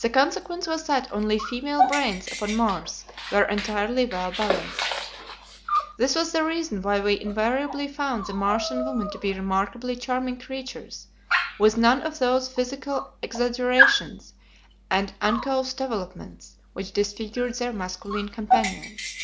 The consequence was that only female brains upon Mars were entirely well balanced. This was the reason why we invariably found the Martian women to be remarkably charming creatures, with none of those physical exaggerations and uncouth developments which disfigured their masculine companions.